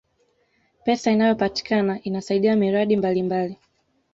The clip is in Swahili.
pesa inayopatikana inasaidia miradi mbalimbali